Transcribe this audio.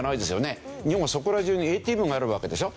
日本はそこら中にＡＴＭがあるわけでしょ。